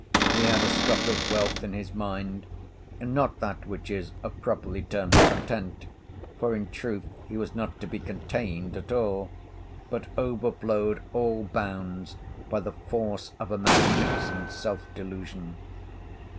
He had a stock of wealth in his mind; not that which is properly termed Content, for in truth he was not to be contained at all, but overflowed all bounds by the force of a magnificent self delusion.